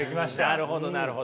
なるほどなるほど。